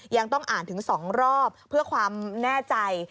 ยังต้องอ่านถึง๒รอบเพื่อความแน่ใจ